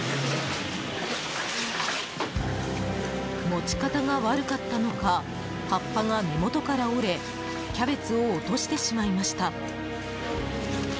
持ち方が悪かったのか葉っぱが根元から折れキャベツを落としてしまいました。